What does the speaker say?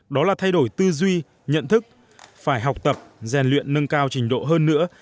đó là thay đổi tư duy nhận thức phải học tập rèn luyện nâng cao trình độ hơn nữa